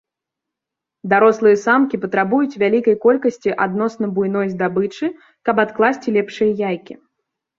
Дарослыя самкі патрабуюць вялікай колькасці адносна буйной здабычы, каб адкласці лепшыя яйкі.